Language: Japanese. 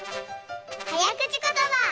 はやくちことば。